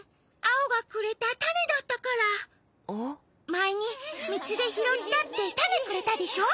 まえにみちでひろったってたねくれたでしょ？